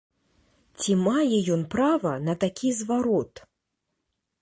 Ці мае ён права на такі зварот?